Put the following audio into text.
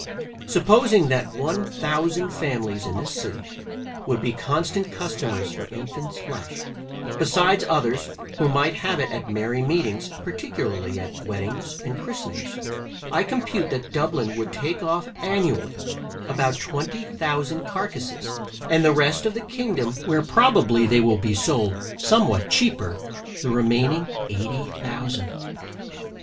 Supposing that one thousand families in this city, would be constant customers for infants flesh, besides others who might have it at merry meetings, particularly at weddings and christenings, I compute that Dublin would take off annually about twenty thousand carcasses; and the rest of the kingdom (where probably they will be sold somewhat cheaper) the remaining eighty thousand.